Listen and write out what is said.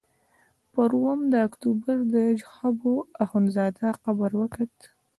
پر اوومه د اکتوبر د حبو اخندزاده قبر وکت.